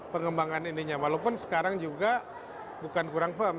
pengembangan ininya walaupun sekarang juga bukan kurang firm